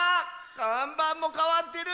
かんばんもかわってる！